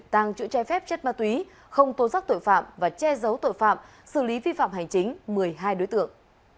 tàng trữ chai phép chất ma túy không tố giác tội phạm và che giấu tội phạm xử lý vi phạm hành chính một mươi hai đối tượng